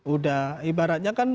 udah ibaratnya kan